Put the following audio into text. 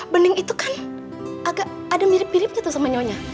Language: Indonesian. bening itu kan agak ada mirip miripnya tuh sama nyonya